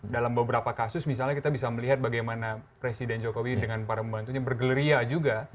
dalam beberapa kasus misalnya kita bisa melihat bagaimana presiden jokowi dengan para pembantunya bergeria juga